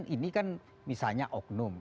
ini kan misalnya oknum